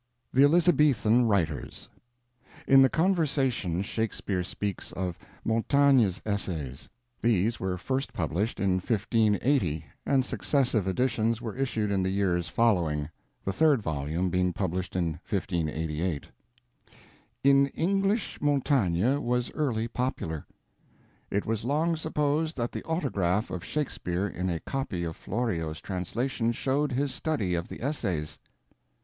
THE ELIZABETHAN WRITERS In the Conversation Shakespeare speaks of Montaigne's Essays. These were first published in 1580 and successive editions were issued in the years following, the third volume being published in 1588. "In England Montaigne was early popular. It was long supposed that the autograph of Shakespeare in a copy of Florio's translation showed his study of the Essays.